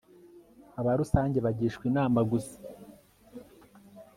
aba rusange bagishwa inama gusa